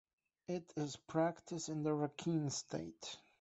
It is practiced in the Rakhine State.